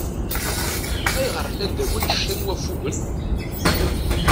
Ayɣeṛ llan da wannect-a n waffugen?